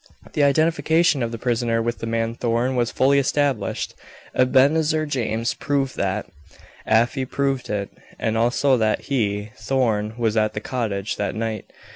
The identification of the prisoner with the man Thorn was fully established Ebenezer James proved that. Afy proved it, and also that he, Thorn, was at the cottage that night.